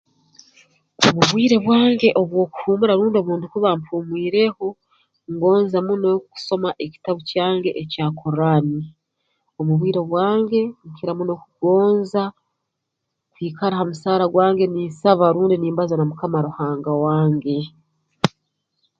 Mu bwire bwange obw'okuhuumura rundi obu ndukuba mpumwireeho ngonza muno kusoma ekitabu kyange ekya Korraani omu bwire bwange nkira muno kugonza kwikara ha musaara gwange ninsaba rundi nimbaza na Mukama Ruhanga wange